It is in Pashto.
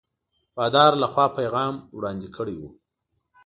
بادار له خوا پیغام وړاندي کړی وو.